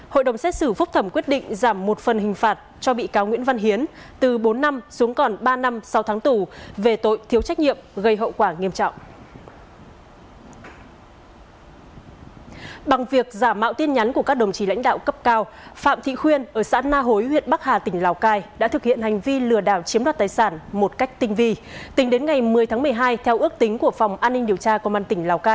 hội đồng xét xử phúc thẩm quyết định giảm một phần hình phạt cho bị cáo nguyễn văn hiến từ bốn năm xuống còn ba năm sau tháng tù về tội thiếu trách nhiệm gây hậu quả nghiêm trọng